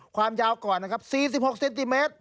ความยาวก่อนนะครับ๔๖เซนติเมตร